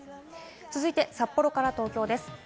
続いて札幌から東京です。